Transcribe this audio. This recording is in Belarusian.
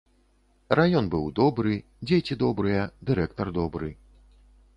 Раён быў добры, дзеці добрыя, дырэктар добры.